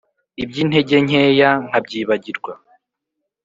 iby’intege nkeya nkabyibagirwa